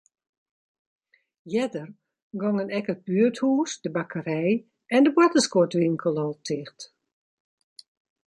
Earder gongen ek it buerthûs, de bakkerij en de boartersguodwinkel al ticht.